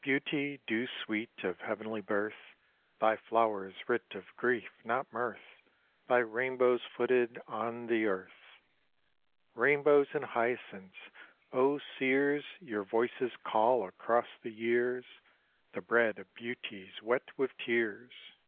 Beauty, dew sweet, of heavenly birth, Thy flower is writ of grief, not mirth, Thy rainbow's footed on the earth. Rainbows and hyacinths! O seers, Your voices call across the years: "The bread of Beauty's wet with tears!